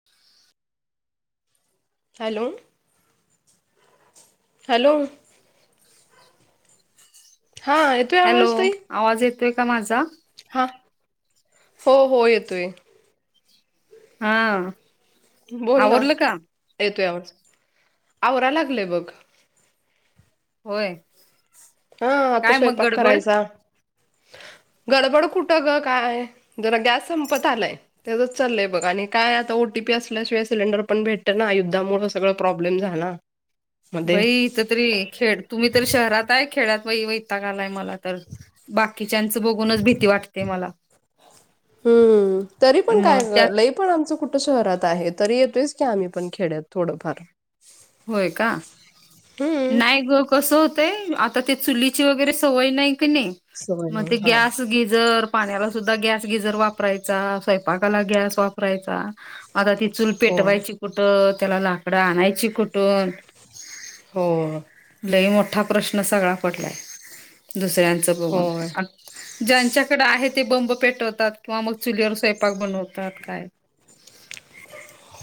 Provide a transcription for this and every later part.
[inaudible] Hello hello हा hello आवाज ताई आवाज येतोय का माझा हा हो हो येतोय हा बोल ना आवरलं का येतो यावर आवरा लागलंय बघ होय हा आता काय मग स्वयंपाक गडबड करायचा. [inaudible] गडबड कुठ ग काय जरा गॅस संपत आलाय ते तरच चाललंय बघ आणि काय आता ओटीपी असल्याशिवायस सिलेंर पण भेटत ना युद्धामुळे सगळं प्रॉब्लेम झाला. मध्ये बाई इथ तरी खेळ तुम्ही तर शहरात आहे खेड्यात बा व इताग आलाय मला तर बाकीच्यांच बघूनच भीती वाटते मला. हम्म तरी पण काय मग ग त्यात पण आमचं कुठं शहरात आहे तरी येतोय कीम्हीण खेड्यात थोडंफार. होय का हम्म नाही ग कसं होतंय आता ते चुलीची वगैरे सवय नाही की नाही सवय नाही मे हा ग्यास गीजर पाण्याला सुद्धा गॅस गिजर वापरायचा स्वयंपाकाला गॅस वापरायचा आता ती चूल होय पेटवायची कुठं त्याला लाकडं आणायची कुठून हो लई मोठा प्रश्न सगळा पडलाय दुसऱ्यांचं बघून होय ज्यांच्याकडे आहे ते बंब पेटवतात किंवा मग चुलीवर स्वयंपाक बनवतात काय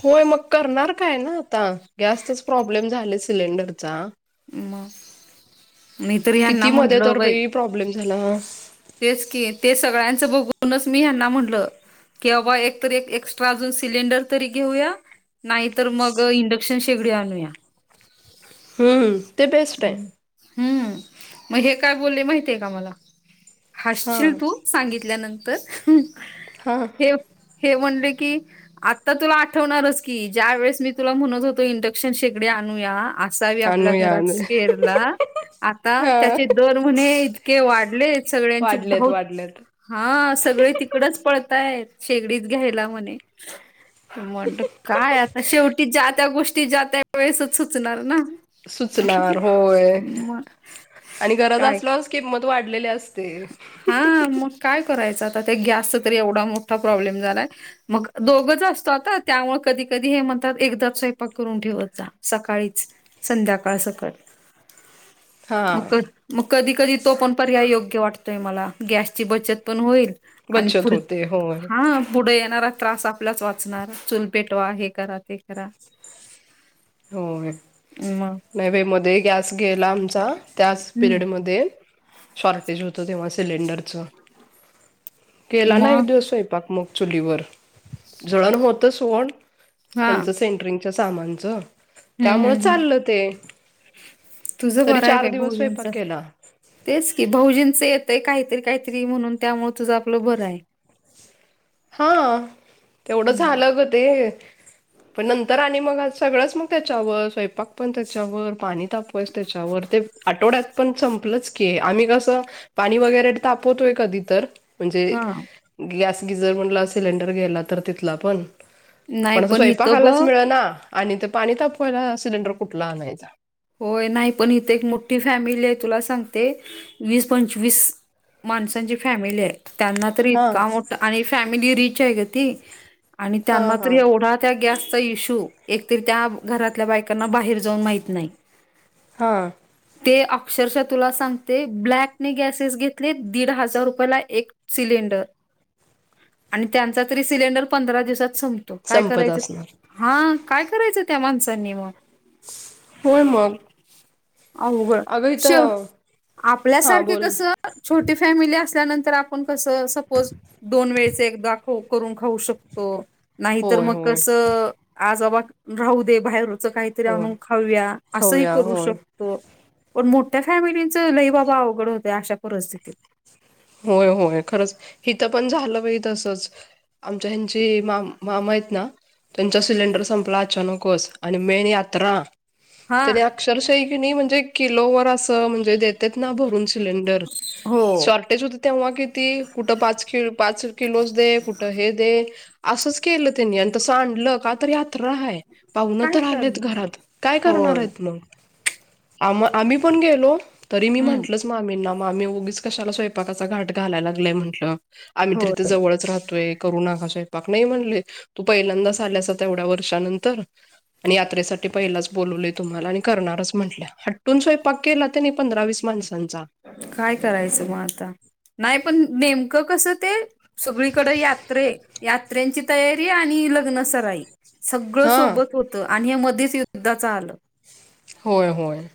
होय मग करणार काय ना आता गॅसतच प्रॉब्लेम झाले सिलेंडरचा मग मी तर ह्यांना किती मध्ये म्हटलं तर बाई प्रॉब्लेम झाला तेच की ते सगळ्यांचं बघूनच मी ह्यांना म्हणलं कि आबा एकत एक एक्स्ट्रा अजून सिलेंडर तरी घेऊया, नाही तर मग, इंडक्शन शेगडी आणूया. हम्म. ते बेस्ट आहे हम्म. मग हे काय बोलले माहिते का मला? हा हसशील तू सांगितल्यानंतर. ह, ह. हे हे म्हणले की, आता तुला आठवणारच की, ज्या वेळेस मी तुला म्हणत होतो. इंडक्शन शेकडी आणूया, अससावी आपल्या आणूया घरात आणूया स्पेरला, आता हा त्याचे दर म्हणे, इतके वाढले. सगळ्यांची वाढलेत धावत वाढलेत हा सगळे तिकडच पळताय. शेगडीच घ्यायला म्हणे. म्हणटल काय आता. शेवटी ज्या त्या गोष्टी, ज्या त्या वेळेसच सुचणार ना. सुचणार होय. मग आणि गरज काय असल्यावच किंमत वाढलेली असते. हा मग काय करायचं आता. ते गॅसचा तर एवढा मोठा प्रॉब्लेम झालाय. मग दोघच असतो आता. त्यामुळे कधी कधी हे म्हणतात. एकदा स्वयंपाक करून ठेवत जा. सकाळीच. संध्याकाळ सकट. हा म, क, मग, कधी कधी तो पण, पर्याय योग्य वाटतो. यमला. गॅसची बचत पण होईल. आणि बचत पुढ होते होय हा पुढं येणारा त्रास आपल्याच वाचणार. चुल पेटवा हे करा. ते करा. होय. मग नाही बाई, मध्ये गॅस गेला आमचा. त्याच हम्म पिरियडमध्ये. शॉर्टेज होतं तेव्हा सिलेंडरचं. केला ना. मग एक दिवस स्वयंपाक मग चुलीवर. जळण होत सोड. हा त्यांच सेंट्रिंगच्या सामानचं. हम्म त्यामुळं हम्म हम्म. चाललं ते तुझ तरी बरय चार बाई दिवस भाऊजीच. स्वयंपाक केला तेच की भाउजींचं येतय काहीतरी काहीतरी म्हणून. तुझं आपलं बरय. हा. तेवढं हम्म झालं ग ते. पण नंतर आणि मग आ सगळंच मग त्याच्यावर. स्वयंपाक पण त्याच्यावर. पाणी तापवायच त्याच्या वर. ते आठवड्यात, पण संपलंच की, आम्ही कसं पाणी वगैरे तापवतोय. कधी तर. म्हणजे, हा गॅस गिजर म्हणला, सिलेंडर घ्यायला तर. तिथला पण. नाही पण अस इथं बघ स्वयंपाकायलाच मिळना. आणि ते पाणी तापवायला, सिलेंडर कुठला आणायचा. होय नाही पण इथे एक मोठी फॅमिलीये. तुला सांगते वीस पंचवीस माणसांची फॅमिलीये. त्यांना तर हा इतका मोठा. आणि फॅमिली रिचं आहे गं ती. आणि हा त्यांना तर हा एवढा त्या गॅसचा इश्यू. एकतरी त्या, घरातल्या बायकांना. बाहेर जाऊन माहीत नाही. हं. ते अक्षरशः तुला सांगते. ब्लॅकने गॅसेस घेतले. दीड हजार रुपयाला एक सिलेंडर. आणि त्यांचा तरी सिलेंडर पंधरा दिवसात. संप तो. काय संपत करायच. असणार हा काय करायचं, त्या माणसांनी म. होय मग. आव बळ, अगं शेव इथं हा आपल्यासारखे बोल ना. कसं. छोटी फॅमिली असल्यानंतर, आपण कसं सपोज. दोन वेळचे एकदा खाऊ, करून खाऊ शकतो. नाहीतर होय म होय कसं, आज बा राहू दे. बाहेरच काहीतरी होय आणून खाऊया. असंही खाऊया करू होय शक तो. पण मोठ्या फॅमिलीचं, लई बाबा अवघड होत्या. अशा परिस्थितीत. होय, होय. खरंच. इथं पण झालं तसंच. आमच्या ह्यांची, मा मामायेत ना. त्यांचा सिलेंडर संपला अचानकच. आणि मेन यात्रा. हा त्यांनी अक्षरशः कीनी म्हणजे किलोवर असं. देतायत ना भरून सिलेंडर. हो ते सुद्धा तेव्हा किती कुठं पाच किलो दे कुठं हे दे असंच केलं त्यांनी आणि तसं आणलं का तर यात्रा आहे. पाहुनं काय तर कर आलेत घरात काय करणार होय आहेत. मंग. आम्ही पण गेलो तरी मी हम्म म्हंटलचं मामींना मामी उगीच कशाला स्वयंपाक करता. स्वयंपाक घाट घालायला लागलाय म्हटलं आम्ही तरी होय जवळचं राहतोय. करू नका स्वयंपाक नाही म्हणले तू पहिल्यांदाच आल्यासं एवढ्या वर्षानंतर. आणि यात्रेसाठी पहिलाचं बोलवले तुम्हाला आणि करणारच म्हंटल्या हट्टून स्वयंपाक केला त्यांनी पंधरा वीस माणसाचा. काय करायचं मग आता नाही पण नेमकं. कसं ते सगळीकडे यात्रा यात्राची तयारी आणि लग्न सराई. सगळं हा सोबत होतं. आणि हे मध्येचं युद्धाचं आलं. होय. होय.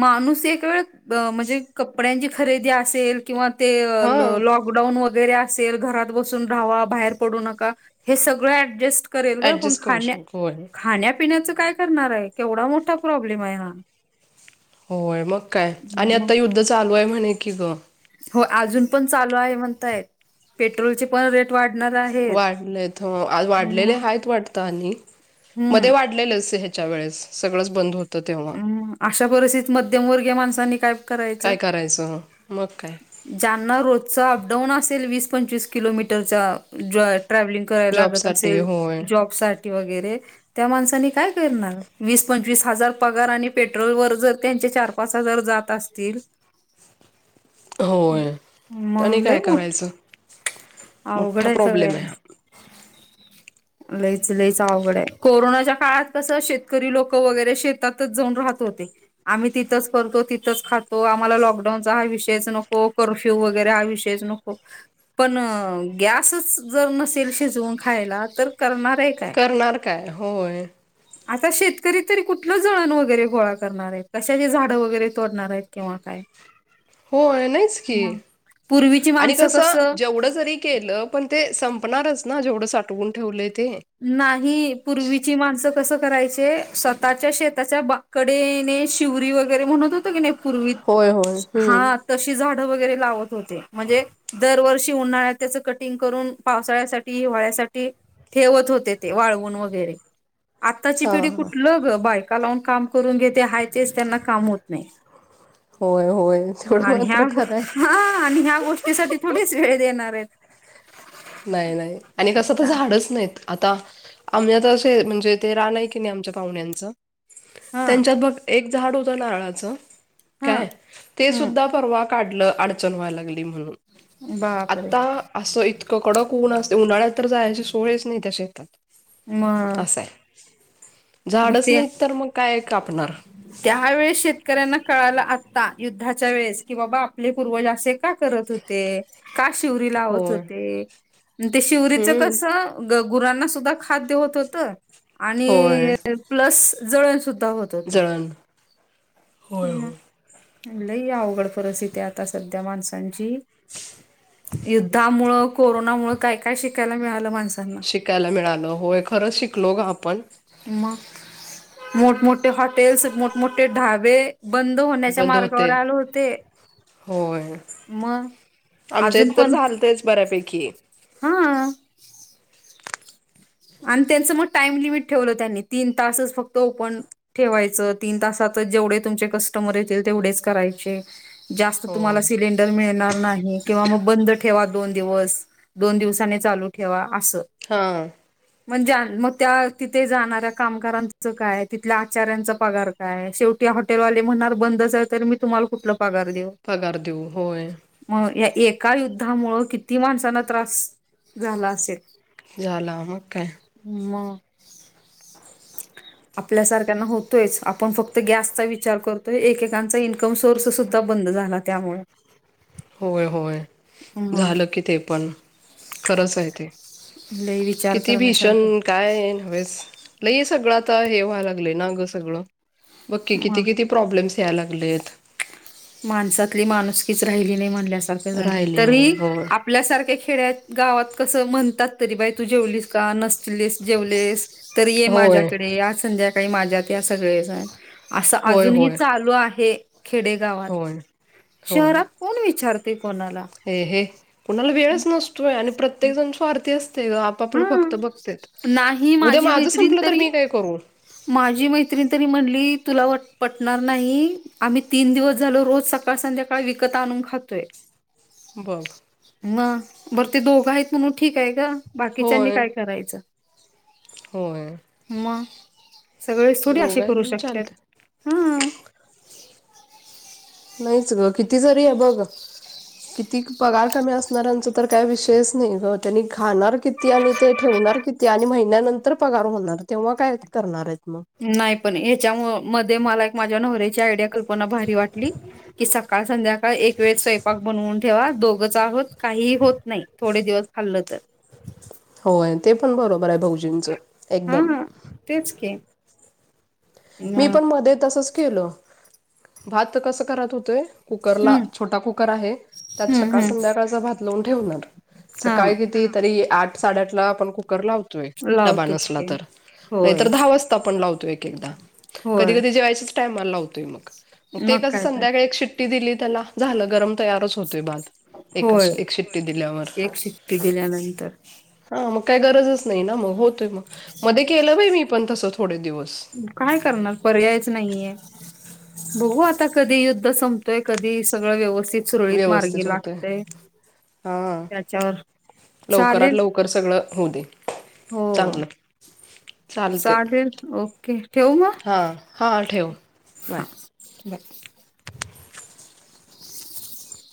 माणूस एक वेळ म्हणजे कपड्यांची खरेदी असेल किंवा. ते हा लॉक. लॉकडाऊन वगैरे असेल घरात बसून राहावा बाहेर पडू नका हे सगळं ऍडजस्ट करेल ग पण ऍडजस्ट करू शकतो होय खाण्यापिण्याचं काय करणार आहे केवढा मोठा प्रॉब्लेम आहे हा होय मग काय आणि आत्ता युद्ध चालू आहे म्हणे कि गं हो अजून पण चालू आहे म्हणतायं पेट्रोलं चे पण रेट वाढणार आहे. वाढलेले हायत वाटतता अनी. मध्ये हम्म वाढले ह्याच्या वेळेस सगळंचं बंद होतं तेव्हा. मग अशा परिस्थितीत मध्यमवर्गीय माणसांनी काय करायचं. काय करायचं. मंग काय. जाना रोजचं अपडाऊन असेल वीस पंचवीस किलोमीटरचा. ट्रॅव्हलिंग करायला लागतं जॉबसाठी असेल होय जॉबसाठी. वगैरे त्या माणसानी काय करणार वीस पचवीस हजार. पगार आणि पेट्रोल वर जर त्यांचे चार पाच हजार जात असतील. होय आणि मंग लय काय मोठं. करायचं अवघड मोठा आहे प्रॉब्लेम हा सगळयांच. लईच लईच आवघड आहे कोरोनाच्या काळात कसं शेतकरी लोक वगैरे शेतीचे. त्यातच जाऊन राहत होते आम्ही तिथंच करतो, तिथंच खातो, आम्हाला लॉकडाऊनचा हा विषयच नको,, कर्फ्यू वगैरे हा विषय नको,, पन गॅसच जर नसेल शिजवून खायला,, तर करनार करणार काय? होय. आता शेतकरी तरी कुठें. जळण वगैरे गोळा करणार आहेत. कशाची झाडं वगैरे तोडणार आहेत किंवा काय. हो नाहीचं कि मग पूर्वीची आणि माणसं कसं जेवढं जरी केलं पण ते संपणारच ना जेवढं साठवून ठेवलं ते. नाही पूर्वीची माणसं कसं करायचे स्वतःच्या शेताच्या बा कडे ने शिवरी वगैरे म्हणत होत. कि नाही पूर्वी होय होय हम्म हा. तशी झाडं वगैरे लावत होते,, म्हजे दरवर्षी उन्हाळ्यात त्याचं कटिंग करून, पावसाळ्यासाठी,, हिवाळ्यासाठी ठेवत होते ते, वाळवून वगैरे, आताची पिढी हां हां कुठलं ग बाय का लावून काम करून घेते,, हाय तेच त्यांना काम होत नाही होय होय तेवढं आणि ह्या, मात्र खरं आहे हां, आणि ह्या गोष्टी साठीच थोडीच वेळ देणार आहेत. नाही नाही, आणि कसं तर झाडच नाहीत. आता, आमच्यात असे, म्हणजे ते रान आहे की नाही, आमच्या पाहुण्यांचं. हा त्यांच्यात बघ एक झाड होत नारळाच, हा काय ते हम्म सुद्धा परवा काढलं अडचन व्हायां लागली म्हणून, बापरे आता असं इत कडक ऊन असंतय, उन्हाळ्यात तर जायाची सोयच नाही त्या शेतात, मग अस. झाडच नाहीत तर मग काय कापणार? त्या वेळेस शेतकऱ्यांना कळालं आता युद्धाच्या वेळेस, की बाबा आपले पूर्वज असे का करत हो ते का शिवरी लावत होय. होते, ते शिवरीचं हम्म. कसं ग गुरांना सुद्धा खाद्य होत होत, होय. आणि प्लस जळण सुद्धा होत जळन. लयी अवघड परिस्थिती आता सध्या माणसांची. युद्धा मुळं, कोरोना मुळं, काय काय शिकायला मिळालं मान शिकायला मिळालं होय खरंच शिकलो ग आपण. म मोठमोठे हॉटेल्स, मोठमोठे ढाबे. बंद होण्याच्या बंद होते. मार्गावर आले होते. होय मग आमच्या अजून इत तर पण झालंतेच बऱ्यापैकी. हा आणि त्यांचं मग टाइम लिमिट ठेवलं त्यांनि, तीन तासच फक्त ओपण. ठेवायचं तीन तासातच जेवढे तुमचे कस्टमर येतील तेवढेच करायचे. जास्त होय. तुम्हाला सिलेंड डर मिळणार नाही, किंवा मग बंद ठेवा दोन दिवस, दोन दिवसानी चालू ठेवा असं. हां! म्हणजे मग त्या तिथे जाणाऱ्या कामगाराचं काय? तिथल्या आचाऱ्या चा पगार काय, शेवटी हॉटेलवाले म्हणार बंद चं आहे तरी मी तुम्हाला कुठलं पगार देऊ? पगार देऊ, होय. म या एका युद्धामुंळं किती माणसांना त्रास झाला असेल. झाल मग काय मग,, आपल्यासारख्यांना होतोयच आपण फक्त गॅसचा विचार करतोय एकेकांचा ईनकम सोर्स सुद्धा. बंद झाला त्यामुळे. होय, होय मग झालं की ते पण खरंच आहे ते. लय विचार किती करण्यासारखे भीषण. काय नव्हेच लय सगळं आता हे व्हाय लागलंय ना गं सगळं त्या बघ की किती, मग किती, प्रॉब्लेम्स यायला लागलेत. माणसातली माणुसकीच राहिली नाही म्हणल्यासारख झाले राहिले नाही तरीही होय. आप आपल्यासारख्या खेड्यात गावात कसं म्हणतात तरी बाई तू जेवलीस का नसलीस जेवलेस. तर ये होय माझ्याकडे आज संध्याकाळी माझ्यात या सगळे जण असं होय अजूनही होय चालू आहे खेडेगावात. [unintelligible] होय शहरात कोण विचारतय कोणाला? हे हे कुणाला वेळच नसतोय, आणि प्रत्येक जण स्वार्थी असतय ग आप पापलं हा फक्त बघत्यात,, नाही उद्या माझी माझं मैत्रीण संपलं तर तरी मी काय करू? माझी मैत्रिणी तरी म्हणली, तुला पटणार नाही आम्ही तीन दिवस झालो रोज स काळ संध्याकाळ विकत आणून खातोय. बघ. म बरं ते दोघं आहेत म्हणून ठीक आहे गं बाकीच्यांनी होय काय करायचं? होय! म सगळेच थोडी असे करू दोघांनी शकत्यांत चालत हा. नहीच ग किती जरी हे बघ, किती पगार कमी असणाऱ्यांच तर काय विषयच नाही ग त्यांनी खाणार कित ती आणि ते ठेवणार किती आणि महिन्यानंतर पगार होणार तेव्हा काय करणार आहेत मग. नाही पण ह्याच्या मध्ये मला एक माझ्या नवऱ्याची आयडिया कल्पना भारी वाटली. कि सकाळ, संध्याकाळ एक वेळ स्वंपाक बनवून ठेवा, दोघच आहोत काहीही होत नाही, थोडे दिवस खाल्लं तर. होय, ते पण बरोबर आहे भाऊजीचं एकदम. हा तेच की. हम्म मी पण मध्ये तसच केलं, भात कसं करत होतोय कुकरला हम्म छोटा कुकर आहे, त्यात सकाळ हम्म संध्याकाळचा भात लावून ठेवणार. हा ते तरी आठ साडेआठ ला आपण कुकर लाव तोय डबा लावतोच नसला की तर, नाही होय तर दहा वाजता आपण लावतोय एक एकदा. कधी होय कधी जेवायच्याच टायमाला लावतोय मग, मग ते कसं काय तर संध्याकाळी एक शि टी दिली त्याला, झालं गरम तयारच होतोय भात. एक होय अश एक शिट्टी दिल्यावर. एक शिट्टी दिल्यानंतर हा मग काही गरजच नाही ना मग, होतोय मग मध्ये केलं बाई मी पण तसं थोडे दिवस. काय करणार पर्यायच नाहीये. बघू आता कधी युद्ध संपतंय, कधी सगळं व्यवस्थित सुरळीत मार्गी व्यवस्थित होतय लागतंय, हा त्याच्यावर लवकरात चालेल लवकर सगळं होऊ दे, हो चांगलं. चालते चालेल, ओक, ठेऊ मग? हां हां ठेव बाय बाय. [inaudible]